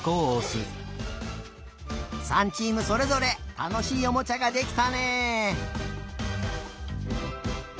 ３チームそれぞれたのしいおもちゃができたね！